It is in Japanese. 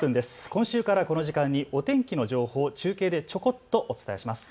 今週からこの時間にお天気の情報、中継でちょこっとお伝えします。